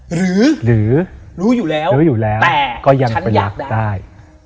หรือรู้อยู่แล้วแต่ก็ยังเป็นรักได้